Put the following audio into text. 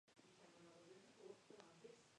Su capital era Játiva.